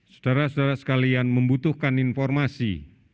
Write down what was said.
saudara saudara sekalian membutuhkan informasi